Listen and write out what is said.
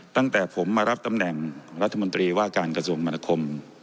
ตั้งแต่ผมมารับตำแหน่งรัฐมนตรีว่าการกระทรวงมนาคม